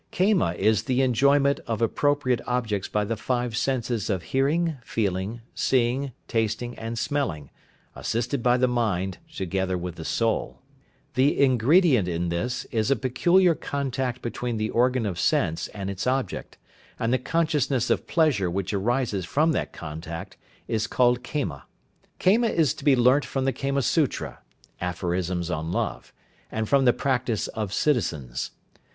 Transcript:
Kama is the enjoyment of appropriate objects by the five senses of hearing, feeling, seeing, tasting, and smelling, assisted by the mind together with the soul. The ingredient in this is a peculiar contact between the organ of sense and its object, and the consciousness of pleasure which arises from that contact is called Kama. Kama is to be learnt from the Kama Sutra (aphorisms on love) and from the practice of citizens.